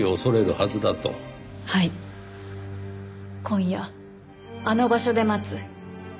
「今夜あの場所で待つ」